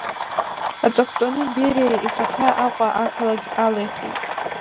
Аҵыхәтәаны Бериа ихаҭа Аҟәа ақалақь алихит.